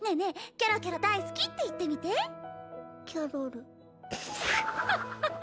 キャロキャロ大好きって言ってみてキャロルアハハ！